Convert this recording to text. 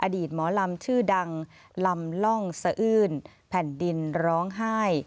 อดีตหมอลำชื่อดังลำล่องสะอื้นแผ่นดินร้องไห้